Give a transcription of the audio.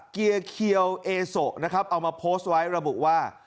เกียร์เขียวเอโสนะครับเอามาโพสต์ไว้ระบุว่า